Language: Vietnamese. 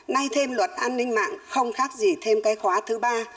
nay thêm luật an ninh mạng không khác gì thêm cái khóa thứ ba